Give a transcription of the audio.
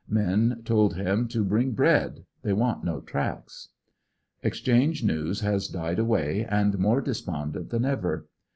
Men told him to biing bread; they want no tracts. Exchange news has died away, and more despondent than ever.